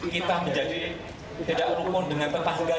kita menjadi tidak rukun dengan tetangga